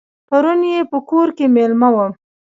پرون یې په کور کې مېلمه وم.